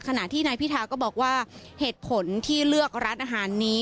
ขณะที่นายพิธาก็บอกว่าเหตุผลที่เลือกร้านอาหารนี้